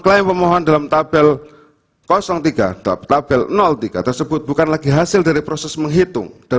klaim pemohon dalam tabel tiga tabel tiga tersebut bukan lagi hasil dari proses menghitung dan